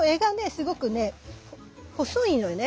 すごくね細いのね。